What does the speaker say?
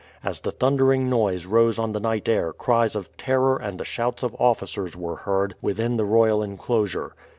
As the thundering noise rose on the night air cries of terror and the shouts of officers were heard within the royal inclosure.